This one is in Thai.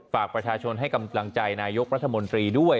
ฝากประชาชนให้กำลังใจนายกรัฐมนตรีด้วย